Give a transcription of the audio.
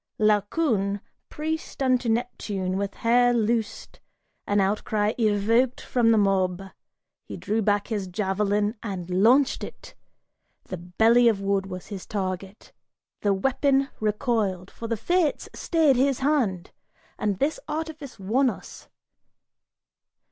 Laocoon, priest unto Neptune, with hair loosed, An outcry evoked from the mob: he drew back his javelin And launched it! The belly of wood was his target. The weapon Recoiled, for the fates stayed his hand, and this artifice won us.